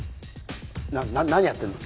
な何やってんの？